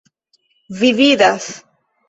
Vi vidas!